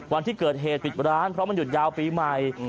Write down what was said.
วันที่เกิดเหตุปิดร้านเพราะมันหยุดยาวปีใหม่